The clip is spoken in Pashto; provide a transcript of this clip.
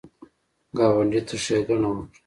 ګاونډي ته ښېګڼه وکړه